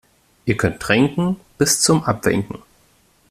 Ihr könnt trinken bis zum Abwinken.